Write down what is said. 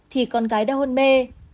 thì con gái đã hôn mê